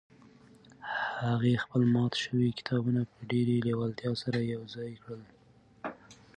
هغې خپل مات شوي کتابونه په ډېرې لېوالتیا سره یو ځای کړل.